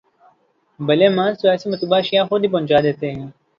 بھلے مانس تو ایسی مطلوبہ اشیاء خود ہی پہنچا دیتے ہیں۔